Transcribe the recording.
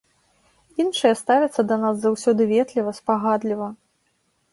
Іншыя ставяцца да нас заўсёды ветліва, спагадліва.